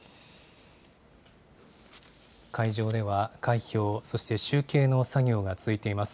会場では開票、そして集計の作業が続いています。